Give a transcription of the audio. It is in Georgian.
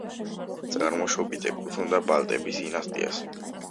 წარმოშობით ეკუთვნოდა ბალტების დინასტიას.